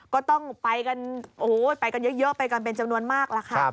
ก็ต้องไปกันไปกันเยอะไปกันเป็นจำนวนมากล่ะค่ะ